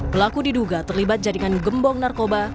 pelaku diduga terlibat jaringan gembong narkoba